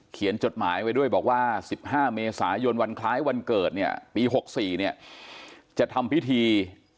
จดหมายไว้ด้วยบอกว่า๑๕เมษายนวันคล้ายวันเกิดเนี่ยปี๖๔เนี่ยจะทำพิธี